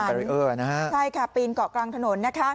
หักกระทั่นหันใช่ค่ะปีนเกาะกลางถนน